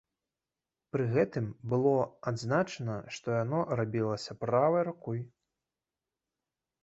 Пры гэтым было адзначана, што яно рабілася правай рукой.